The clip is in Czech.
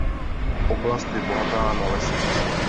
Oblast je bohatá na lesy.